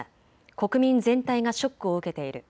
国民全体がショックを受けている。